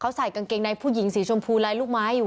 ใส่กางเกงในผู้หญิงสีชมพูลายลูกไม้อยู่